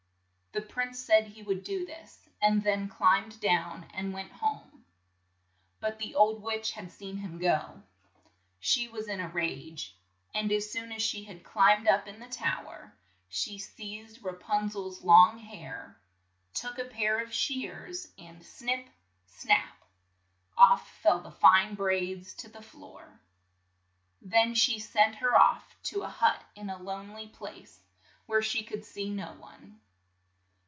The prince said he would do this, and then climbed down and went home. But the old witch had seen him go. She was in a rage, and as soon as she had climbed up in the tow er, she seized Ra pun zel's long hair, took a pair of shears, and snip ! snap ! off fell the fine braids to the floor. Then she sent her off to a hut in a lone ly place, where she could see no one.